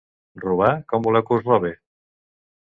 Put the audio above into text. Robar! Com voleu que us robe?